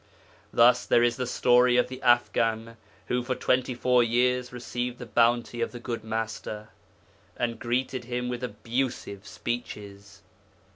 Thus, there is the story of the Afghan who for twenty four years received the bounty of the good Master, and greeted him with abusive speeches.